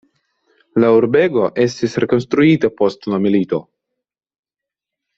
La urbego estis rekonstruita post la milito.